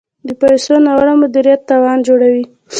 د پیسو ناوړه مدیریت تاوان جوړوي.